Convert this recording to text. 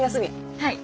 はい。